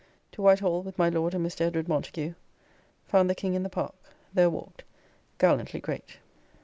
To White Hall with my Lord and Mr. Edwd. Montagu. Found the King in the Park. There walked. Gallantly great.